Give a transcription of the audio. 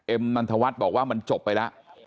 นันทวัฒน์บอกว่ามันจบไปแล้ว